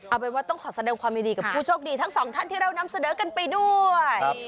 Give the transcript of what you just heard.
เอาเป็นว่าต้องขอแสดงความยินดีกับผู้โชคดีทั้งสองท่านที่เรานำเสนอกันไปด้วย